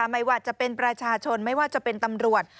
ไม่ว่าจะเป็นประชาชนไม่ว่าจะเป็นตำรวจ